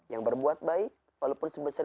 yang berbuat baik walaupun sebesar